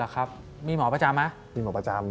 แล้วครับมีหมอประจำไหม